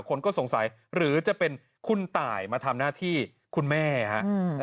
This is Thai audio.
คนก็สงสัยหรือจะเป็นคุณตายมาทำหน้าที่คุณแม่ครับ